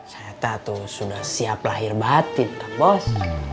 saya teh tuh sudah siap lahir batin kambos